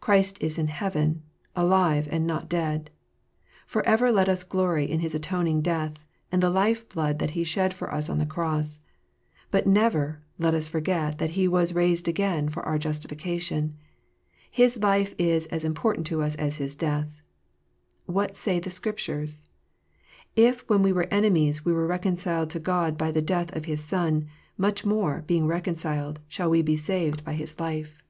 Christ is in heaven, alive, and not dead. For ever let us glory in His atoning death, and the life blood that He shed for us on the cross. But never let us forget that He was "raised again for our justification." His life is as important to us as His death. What saith the Scripture 1 " If, when we were enemies, we were reconciled to God by the death of His Son, much more, being reconciled, we shall be saved by His life."